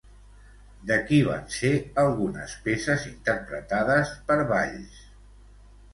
De qui van ser algunes peces interpretades per Valls?